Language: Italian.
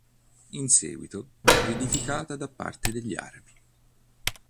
In seguito riedificata da parte degli Arabi.